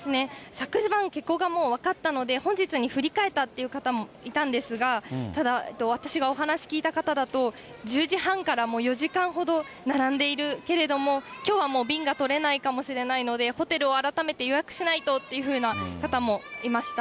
昨晩、欠航がもう分かったので、本日に振り替えたという方もいたんですが、ただ、私がお話聞いた方だと、１０時半から４時間ほど並んでいるけれども、きょうはもう便が取れないかもしれないので、ホテルを改めて予約しないとというふうな方もいました。